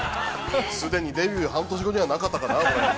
◆既にデビュー半年後には、なかったかな。